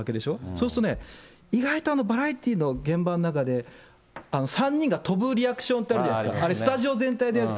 そうするとね、意外とバラエティの現場の中で、３人が跳ぶリアクションってあるじゃないですか、あれ、スタジオ全体でやる。